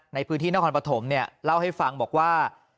ในพื้นที่นครปฐมเนี่ยเล่าให้ฟังบอกว่า